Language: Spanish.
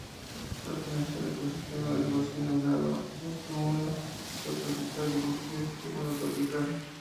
Pertenece al ecosistema de bosque nublado, bosque húmedo subtropical y bosque húmedo tropical.